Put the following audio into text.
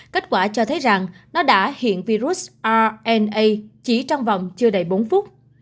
kết quả cho thấy rằng nó đã hiện virus rna chỉ trong vòng chưa đầy bốn phút